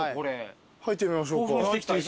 入ってみましょうか。